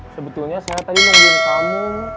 sebetulnya saya tadi mau bingung kamu